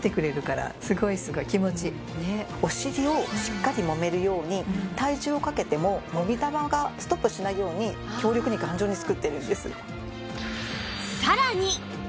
お尻をしっかりもめるように体重をかけてももみ玉がストップしないように強力に頑丈に作っているんです。